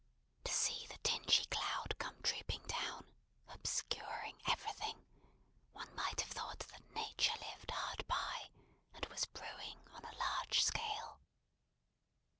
To see the dingy cloud come drooping down, obscuring everything, one might have thought that Nature lived hard by, and was brewing on a large scale.